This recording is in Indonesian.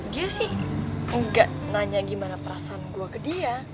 dia sih enggak nanya gimana perasaan gue ke dia